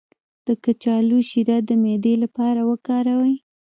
د کچالو شیره د معدې لپاره وکاروئ